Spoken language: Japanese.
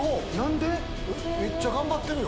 めっちゃ頑張ってるよ。